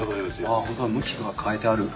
あっ本当だ向きが変えてある。